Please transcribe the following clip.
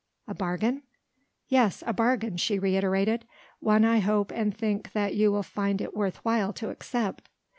"A bargain?" "Yes. A bargain," she reiterated. "One I hope and think that you will find it worth while to accept."